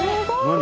何？